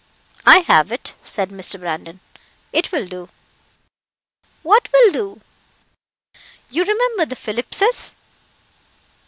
"I have it," said Mr. Brandon; "it will do." "What will do?" "You remember the Phillipses?"